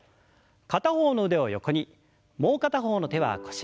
片方の腕を横にもう片方の手は腰の横に。